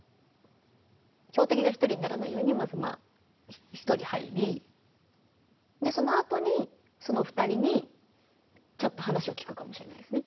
標的が１人にならないようにまずまあ１人入りそのあとにその２人にちょっと話を聞くかもしれないですね。